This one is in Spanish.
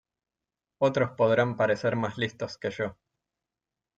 Otros podrán parecer más listos que yo